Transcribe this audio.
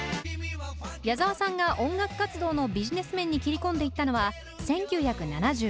矢沢さんが音楽活動のビジネス面に切り込んでいったのは１９７５年。